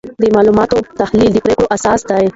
د معلوماتو تحلیل د پریکړو اساس دی.